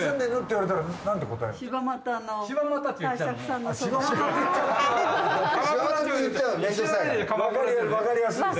わかりやすいね。